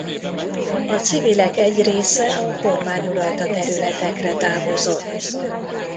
A civilek egy része a kormány uralta területekre távozott.